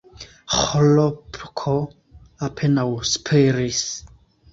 Ĥlopko apenaŭ spiris.